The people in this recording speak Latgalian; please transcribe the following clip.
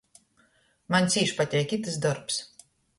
Maņ cīš pateik itys dorbs.